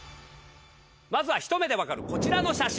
まずはひと目でわかるこちらの写真。